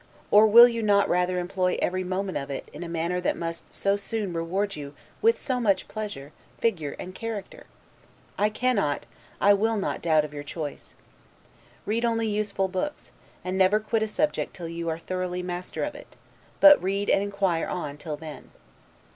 Or will you not rather employ every moment of it in a manner that must so soon reward you with so much pleasure, figure, and character? I cannot, I will not doubt of your choice. Read only useful books; and never quit a subject till you are thoroughly master of it, but read and inquire on till then.